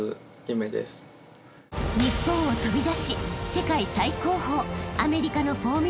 ［日本を飛び出し世界最高峰］